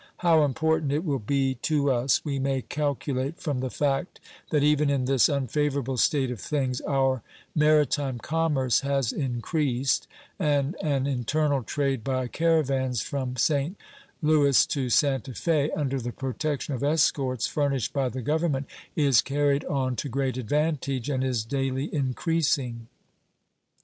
How important it will be to us we may calculate from the fact that even in this unfavorable state of things our maritime commerce has increased, and an internal trade by caravans from St. Louis to Santa Fe, under the protection of escorts furnished by the Government, is carried on to great advantage and is daily increasing.